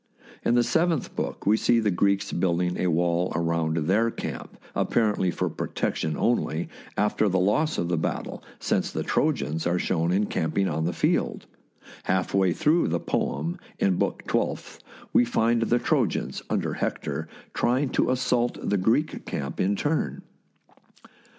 In the seventh book we see the Greeks building a wall about their camp, apparently for protection only, after the loss of the battle, since the Trojans are shown encamping on the field. Half way through the poem, in Book Twelfth, we find the Trojans, under Hector, trying to assault the Greek camp in turn.